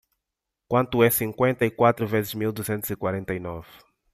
quanto é cinquenta e quatro vezes mil duzentos e quarenta e nove